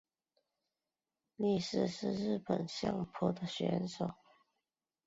力士是日本相扑的选手。